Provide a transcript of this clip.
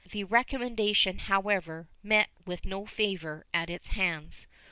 The recommendation, however, met with no favor at its hands.